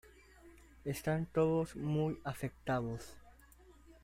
Están todos muy afectados.